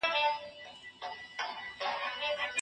کله ناکله د قوت په کارولو سره حق اخیستل کېږي.